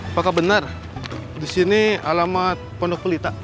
apakah benar disini alamat pondok pelita